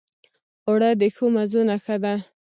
اوړه د ښو مزو نښه ده